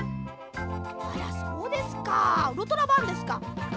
あらそうですかウルトラバンですか。